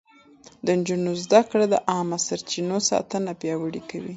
د نجونو زده کړه د عامه سرچينو ساتنه پياوړې کوي.